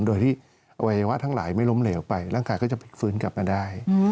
โดยที่อวัยวะทั้งหลายไม่ล้มเหลวไปร่างกายก็จะพลิกฟื้นกลับมาได้